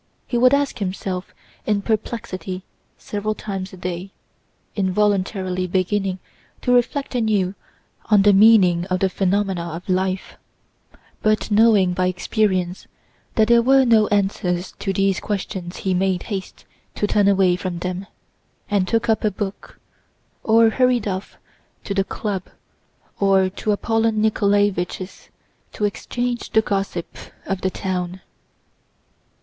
he would ask himself in perplexity several times a day, involuntarily beginning to reflect anew on the meaning of the phenomena of life; but knowing by experience that there were no answers to these questions he made haste to turn away from them, and took up a book, or hurried off to the club or to Apollón Nikoláevich's, to exchange the gossip of the town.